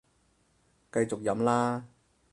繼續飲啦